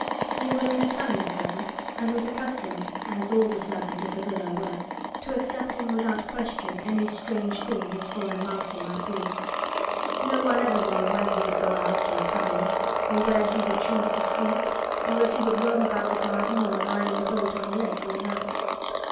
He was an Italian servant and was accustomed, as all the servants of the villa were, to accepting without question any strange thing his foreign master might do. No one ever knew when he would go out or come in or where he would choose to sleep or if he would roam about the garden or lie in the boat on the lake all night.